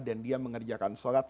dan dia mengerjakan sholat